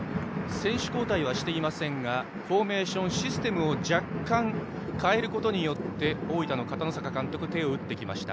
選手交代はしていませんがフォーメーション、システムを若干変えることによって大分の片野坂監督は手を打ってきました。